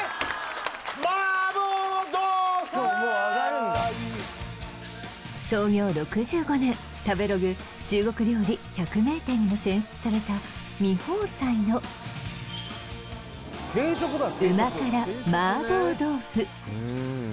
麻婆豆腐しかももうあがるんだ創業６５年食べログ中国料理百名店にも選出されたの旨辛麻婆豆腐